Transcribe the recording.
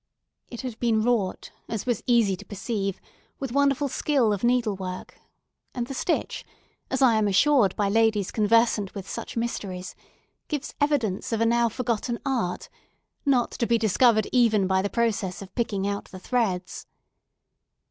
It had been wrought, as was easy to perceive, with wonderful skill of needlework; and the stitch (as I am assured by ladies conversant with such mysteries) gives evidence of a now forgotten art, not to be discovered even by the process of picking out the threads.